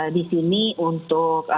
di sini untuk